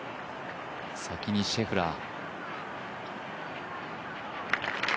先にシェフラー。